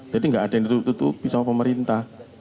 jadi enggak ada yang ditutupi sama pemerintah